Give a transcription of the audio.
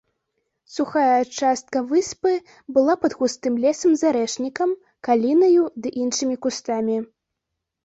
Сухая частка выспы была пад густым лесам з арэшнікам, калінаю ды іншымі кустамі.